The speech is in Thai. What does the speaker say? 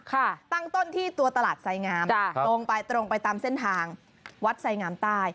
ค่ะตั้งต้นที่ตัวตลาดสายงามตรงไปตามเส้นทางวัดสายงามใต้